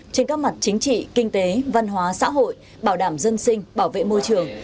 trên các mặt chính trị kinh tế văn hóa xã hội bảo đảm dân sinh bảo vệ môi trường